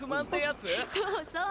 そうそう。